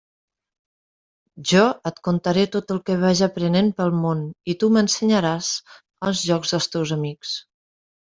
Jo et contaré tot el que vaja aprenent pel món i tu m'ensenyaràs els jocs dels teus amics.